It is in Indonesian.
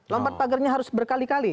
lompat pagarnya harus berkali kali